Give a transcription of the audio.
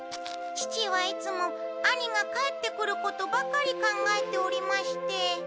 父はいつも兄が帰ってくることばかり考えておりまして。